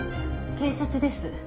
警察です。